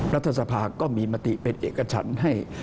รัฐสภาก็มีมติเป็นเอกฉันให้